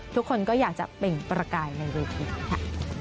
ทุกคนก็อยากจะเปล่งประกายในเวทีค่ะ